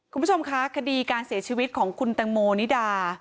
คุณผู้ชมคะคดีการเสียชีวิตของคุณตังโมนิดา